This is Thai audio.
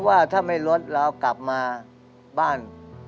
ว่าถ้าไม่ลดเรากลับมาบ้าน